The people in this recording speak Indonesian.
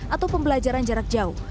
atau pembelajaran jarak jauh